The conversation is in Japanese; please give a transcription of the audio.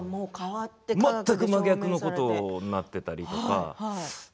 全く真逆のことになっていたりとか。